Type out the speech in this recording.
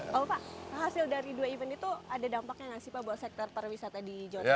kalau pak hasil dari dua event itu ada dampaknya nggak sih pak buat sektor pariwisata di jawa tengah